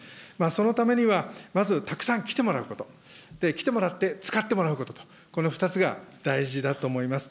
そのためには、まずたくさん来てもらうこと、来てもらって使ってもらうことと、この２つが大事だと思います。